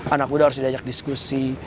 anak muda harus diajak diskusi